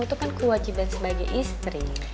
itu kan kewajiban sebagai istri